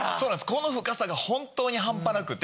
この深さが本当に半端なくて。